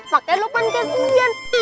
makanya lukman kasihan